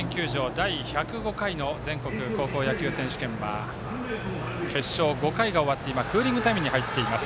第１０５回の全国高校野球選手権決勝５回が終わってクーリングタイムに入っています。